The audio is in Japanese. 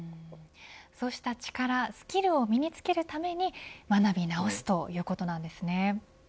そうした力、スキルを身につけるために学び直すということなんですね。